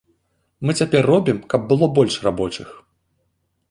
Мы цяпер робім, каб было больш рабочых.